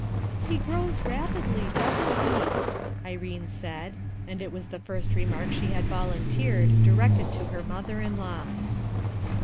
"He grows rapidly, doesn't he?" Irene said, and it was the first remark she had volunteered, directed to her mother in law.